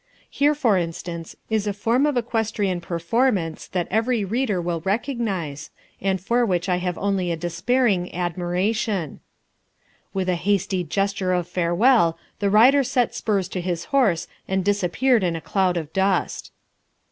Here, for instance, is a form of equestrian performance that every reader will recognize and for which I have only a despairing admiration: "With a hasty gesture of farewell, the rider set spurs to his horse and disappeared in a cloud of dust."